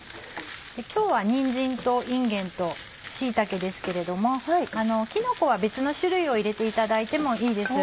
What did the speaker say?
今日はにんじんといんげんと椎茸ですけれどもきのこは別の種類を入れていただいてもいいです。